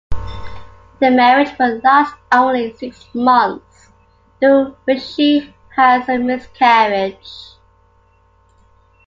The marriage would last only six months, during which she had a miscarriage.